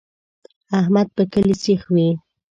احمد په کلي سیخ وي.